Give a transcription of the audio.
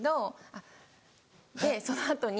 あっでその後に。